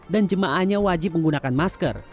dan jemaahnya wajib menggunakan masker